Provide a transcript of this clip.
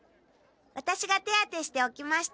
ワタシが手当てしておきました。